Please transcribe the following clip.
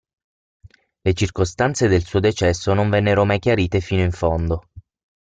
Le circostanze del suo decesso non vennero mai chiarite fino in fondo.